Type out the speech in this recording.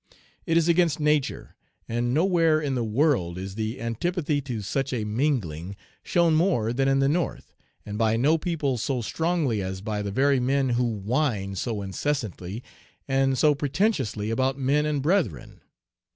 It is against nature, and nowhere in the world is the antipathy to such a mingling shown more than in the North, and by no people so strongly as by the very men who whine so incessantly and so pretentiously about 'men and brethren.'